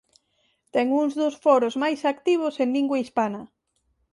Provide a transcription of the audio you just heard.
Ten uns dos foros máis activos en lingua hispana.